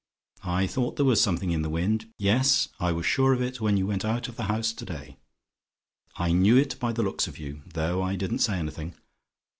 I thought there was something in the wind. Yes, I was sure of it, when you went out of the house to day. I knew it by the looks of you, though I didn't say anything.